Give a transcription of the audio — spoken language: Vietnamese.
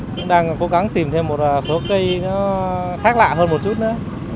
tôi đang cố gắng tìm thêm một số cây khác lạ hơn một chút nữa